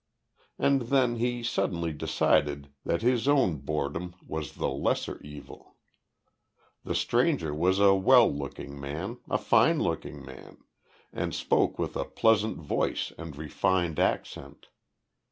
And then he suddenly decided that his own boredom was the lesser evil. The stranger was a well looking man a fine looking man and spoke with a pleasant voice and refined accent.